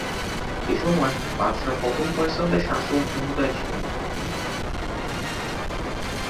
এসময় বাদশাহ প্রথম ফয়সালের শাসন ক্ষমতায় ছিলেন।